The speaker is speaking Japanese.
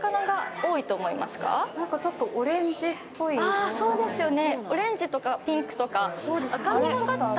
あそうですよね。